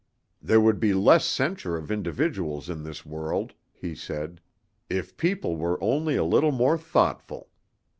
"There would be less censure of individuals in this world," he said, "if people were only a little more thoughtful.